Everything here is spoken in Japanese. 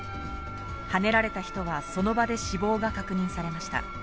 はねられた人はその場で死亡が確認されました。